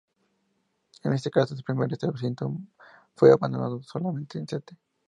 En todo caso el primer establecimiento fue abandonado, solamente St.